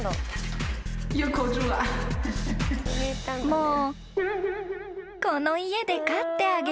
［もう］